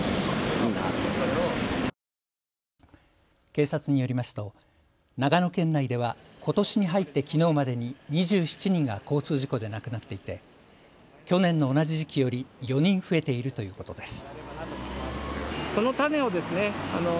警察によりますと、長野県内ではことしに入ってきのうまでに２７人が交通事故で亡くなっていて去年の同じ時期より４人増えているということです。